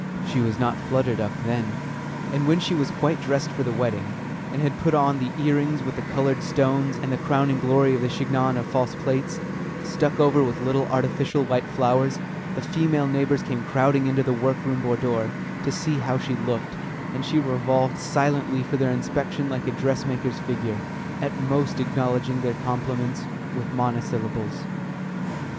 She was not Flutter Duck then. And when she was quite dressed for the wedding, and had put on the earrings with the coloured stones and the crowning glory of the chignon of false plaits, stuck over with little artificial white flowers, the female neighbours came crowding into the work room boudoir to see how she looked, and she revolved silently for their inspection like a dressmaker's figure, at most acknowledging their compliments with monosyllables.